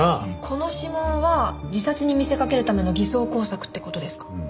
この指紋は自殺に見せかけるための偽装工作って事ですか？